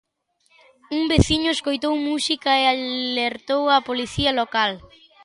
Un veciño escoitou música e alertou a Policía Local.